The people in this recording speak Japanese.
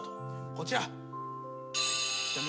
こちら。